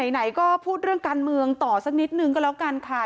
ไหนก็พูดเรื่องการเมืองต่อสักนิดนึงก็แล้วกันค่ะ